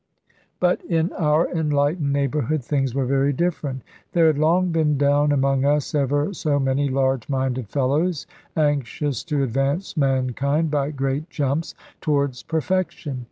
But in our enlightened neighbourhood things were very different. There had long been down among us ever so many large minded fellows, anxious to advance mankind, by great jumps, towards perfection.